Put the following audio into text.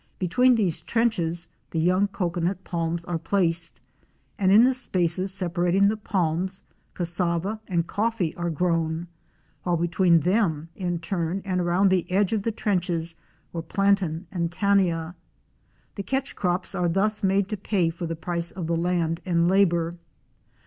Between these trenches the young cocoanut palms are placed, and in the spaces separating the palms, cassava and coffee are grown, while between them in turn and around the edge of the trenches were plantain and tania. The catch crops are thus made to pay for the price of the land and labor.